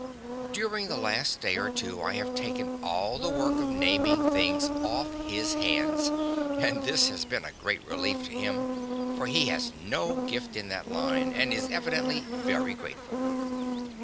During the last day or two I have taken all the work of naming things off his hands, and this has been a great relief to him, for he has no gift in that line, and is evidently very grateful.